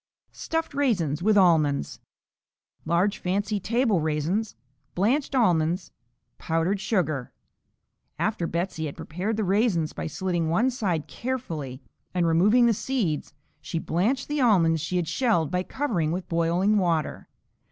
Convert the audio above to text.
Stuffed Raisins with Almonds Large fancy table raisins. Blanched almonds. Powdered sugar. After Betsey had prepared the raisins by slitting one side carefully and removing the seeds, she blanched the almonds she had shelled by covering with boiling water.